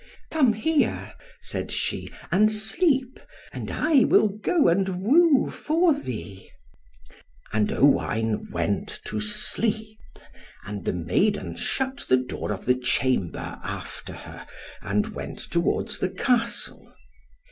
"Come here," said she, "and sleep, and I will go and woo for thee." And Owain went to sleep, and the maiden shut the door of the chamber after her, and went towards the Castle.